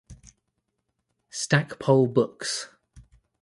Stackpole Books.